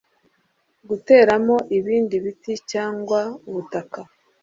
guteramo ibindi biti cyangwa ubutaka